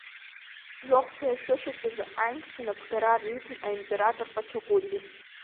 Жәохәтәи ашәышықәсазы аинкцәа напхгара риҭон аимператор Пачакути.